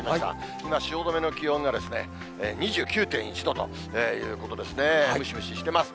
今、汐留の気温が２９．１度ということで、ムシムシしてます。